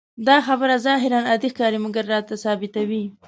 دا خبره ظاهراً عادي ښکاري، مګر راته ثابتوي.